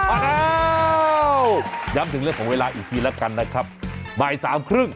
อ้าวย้ำถึงเรื่องของเวลาอีกทีแล้วกันนะครับบ่ายสามครึ่ง